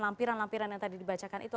lampiran lampiran yang tadi dibacakan itu